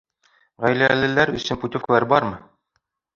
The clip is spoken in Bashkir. Ғаиләлеләр өсөн путевкалар бармы?